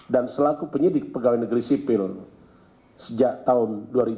dan selaku penyidik pegawai negeri sipil sejak tahun dua ribu lima